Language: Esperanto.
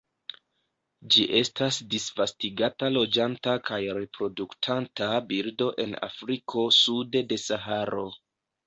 Ĝi estas disvastigata loĝanta kaj reproduktanta birdo en Afriko sude de Saharo.